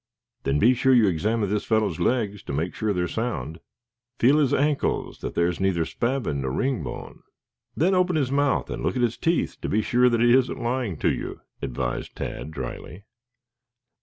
"Then be sure you examine this fellow's legs to make certain that they are sound. Feel his ankles that there is neither spavin nor ringbone, then open his mouth and look at his teeth to be sure that he isn't lying to you," advised Tad dryly.